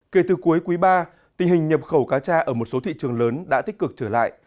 kể từ cuối quý ba tình hình nhập khẩu cá tra ở một số thị trường lớn đã tích cực trở lại